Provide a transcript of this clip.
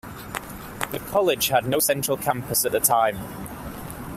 The College had no central campus at the time.